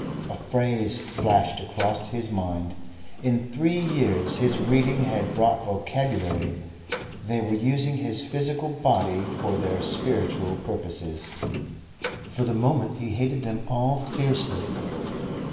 A phrase flashed across his mind in three years his reading had brought vocabulary they were using his physical body for their spiritual purposes. For the moment he hated them all fiercely.